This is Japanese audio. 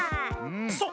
そう。